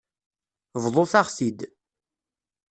Bḍut-aɣ-t-id.